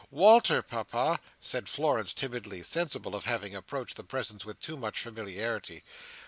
"Walter, Papa!" said Florence timidly; sensible of having approached the presence with too much familiarity.